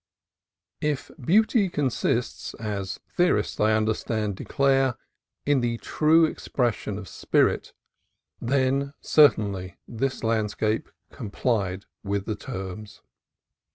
If beauty consists, as theorists, I understand, declare, in the true expression of spirit, then certainly this land scape complied with the terms.